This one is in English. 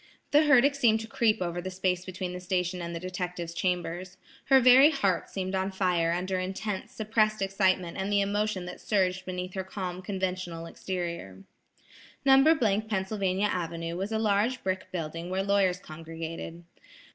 The herdic seemed to creep over the space between the station and the detective's chambers. Her very heart seemed on fire under intense, suppressed excitement and the emotion that surged beneath her calm, conventional exterior. No. — Pennsylvania Avenue was a large brick building where lawyers congregated.